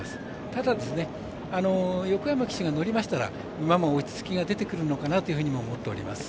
ただ、横山騎手が乗りましたら馬も落ち着きが出てくるのかなと思っております。